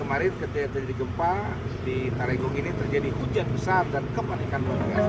hujan besar karena kemarin ketika terjadi gempa di tarikung ini terjadi hujan besar dan kemanikan